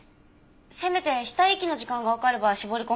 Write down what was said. せめて死体遺棄の時間がわかれば絞り込めるんですけど。